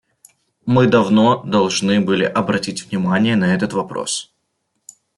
Мы давно должны были обратить внимание на этот вопрос.